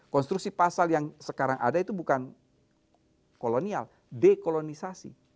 konstruksi pasal yang sekarang ada itu bukan kolonial dekolonisasi